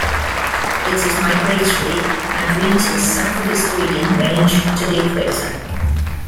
It is migratory and winters south of its breeding range to the equator.